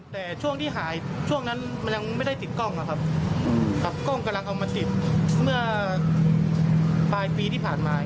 แต่ช่วงที่หายช่วงนั้นมันยังไม่ได้ติดกล้องนะครับกับกล้องกำลังเอามาติดเมื่อปลายปีที่ผ่านมา